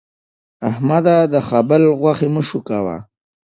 احمده! د خبل غوښې مه شکوه.